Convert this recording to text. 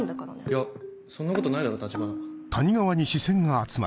いやそんなことないだろ橘は。